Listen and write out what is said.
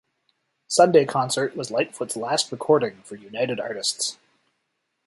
"Sunday Concert" was Lightfoot's last recording for United Artists.